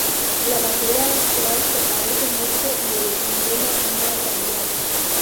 La bandera actual se parece mucho y el emblema no ha cambiado.